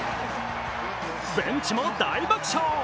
ベンチも大爆笑。